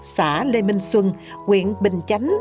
xã lê minh xuân nguyện bình chánh